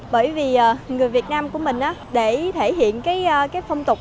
bởi vì người việt nam của mình để thể hiện cái phong tục